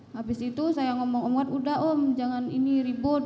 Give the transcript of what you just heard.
habis itu saya ngomong om kuat udah om jangan ini ribut